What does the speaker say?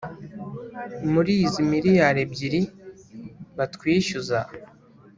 muri izi miliyari ebyiri batwishyuza